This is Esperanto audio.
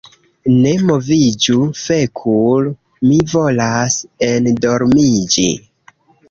"Ne moviĝu fekul' mi volas endormiĝi